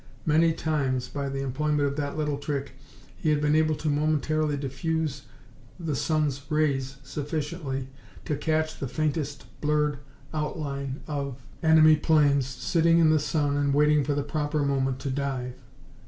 Many times, by the employment of that little trick, he had been able to momentarily diffuse the sun's rays sufficiently to catch the faintest blurred outline of enemy planes sitting in the sun and waiting for the proper moment to dive.